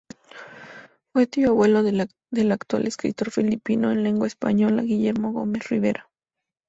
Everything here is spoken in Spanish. Fue tío abuelo del actual escritor filipino en lengua española, Guillermo Gómez Rivera.